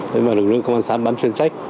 rồi lực lượng công an xã bán chuyên trách